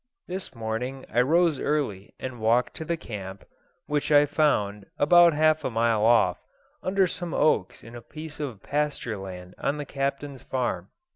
This morning I rose early and walked to the camp, which I found, about half a mile off, under some oaks in a piece of pasture land on the Captain's farm.